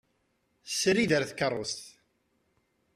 Srid ɣer tkerrust.